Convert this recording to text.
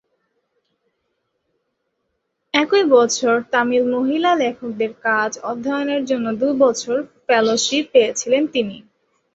একই বছর তামিল মহিলা লেখকদের কাজ অধ্যয়নের জন্য দু'বছরের ফেলোশিপ পেয়েছিলেন তিনি।